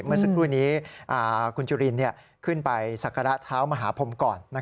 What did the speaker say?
เมื่อสักครู่นี้คุณจุลินขึ้นไปสักการะเท้ามหาพรมก่อน